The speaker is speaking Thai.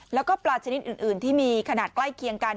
แล้วก็ปลาชนิดอื่นที่มีขนาดใกล้เคียงกัน